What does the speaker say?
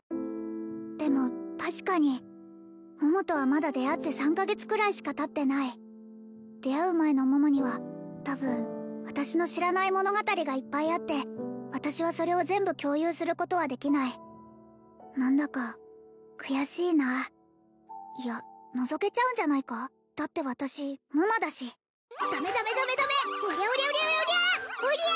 でも確かに桃とはまだ出会って３カ月くらいしかたってない出会う前の桃には多分私の知らない物語がいっぱいあって私はそれを全部共有することはできない何だか悔しいなあいやのぞけちゃうんじゃないかだって私夢魔だしダメダメダメダメおりゃおりゃおりゃおりゃおりゃ！